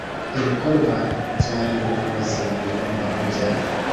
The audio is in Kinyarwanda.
Ibikorwa bya Biro Nyobozi bigomba kujya